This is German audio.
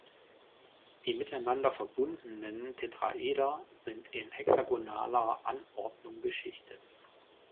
Die miteinander verbundenen Tetraeder sind in hexagonaler Anordnung geschichtet.